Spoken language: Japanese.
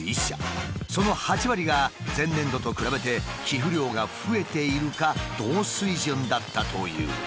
その８割が前年度と比べて寄付量が増えているか同水準だったという。